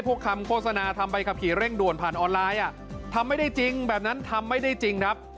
คำโฆษณาทำใบขับขี่เร่งด่วนผ่านออนไลน์ทำไม่ได้จริงแบบนั้นทำไม่ได้จริงครับ